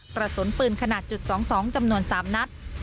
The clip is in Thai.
กระสุนปืนขนาดจุด๒๒จำนวน๓นัด